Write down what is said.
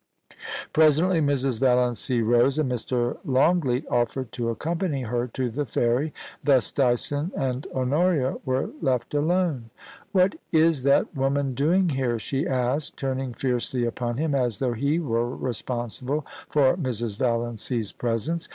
Presently Mrs. Valiancy rose, and Mr. Longleat offered to accompany her to the ferry ; thus Dyson and Honoria were left alone. *What is that woman doing here?' she asked, turning fiercely upon him, as though he were responsible for Mrs. Valiancy's presence.